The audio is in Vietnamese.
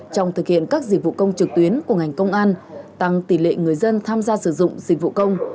trong thực hiện các dịch vụ công trực tuyến của ngành công an tăng tỷ lệ người dân tham gia sử dụng dịch vụ công